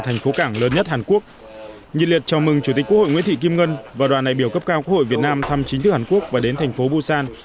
nhiệt liệt chào mừng chủ tịch quốc hội nguyễn thị kim ngân và đoàn đại biểu cấp cao quốc hội việt nam thăm chính thức hàn quốc và đến thành phố busan